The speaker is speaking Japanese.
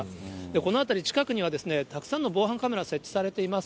この辺り、近くには、たくさんの防犯カメラ、設置されています。